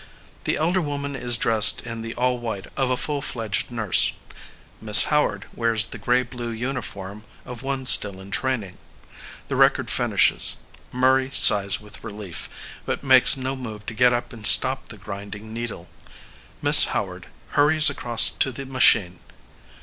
The elder woman is dressed in the all white of a full fledged nurse. Miss Howard wears the grey blue uniform of one still in training. The record finishes. Murray sighs with relief, but makes no move to get up and stop the grinding needle. Miss Howard hurries across to the machine.